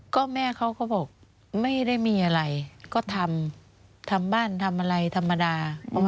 ก็แม่เขาก็บอกไม่ได้มีอะไรก็ทำทำบ้านทำอะไรธรรมดา